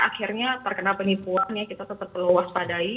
akhirnya terkena penipuan ya kita tetap mewaspadai